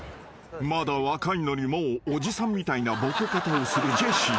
［まだ若いのにもうおじさんみたいなボケ方をするジェシー］